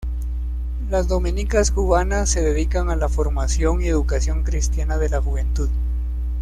Las dominicas cubanas se dedican a la formación y educación cristiana de la juventud.